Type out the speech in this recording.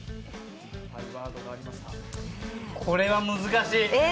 これは難しい。